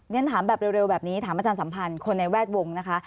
ฉันถามแบบเร็วแบบนี้ถามอาจารย์สัมพันธ์คนในแวดวงนะคะ